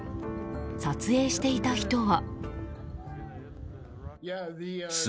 撮影していた人は。